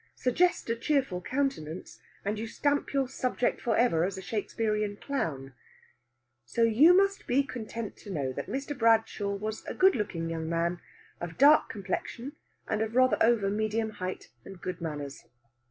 Suggest a cheerful countenance, and you stamp your subject for ever as a Shakespearian clown. So you must be content to know that Mr. Bradshaw was a good looking young man, of dark complexion, and of rather over medium height and good manners.